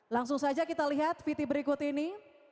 langsung saja kita lihat vt berikut ini